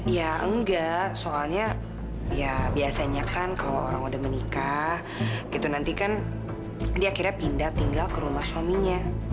ya enggak soalnya ya biasanya kan kalau orang udah menikah gitu nanti kan dia akhirnya pindah tinggal ke rumah suaminya